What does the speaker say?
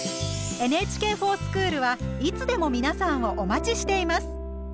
「ＮＨＫｆｏｒＳｃｈｏｏｌ」はいつでも皆さんをお待ちしています！